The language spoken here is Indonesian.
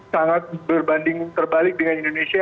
sangat berbanding terbalik dengan indonesia